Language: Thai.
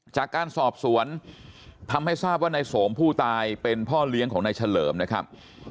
จากการสอบสวนทำให้ทราบว่านายสมผู้ตายเป็นพ่อเลี้ยงของนายเฉลิมนะครับ